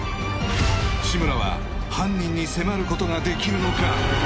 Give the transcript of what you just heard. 志村は犯人に迫ることができるのか？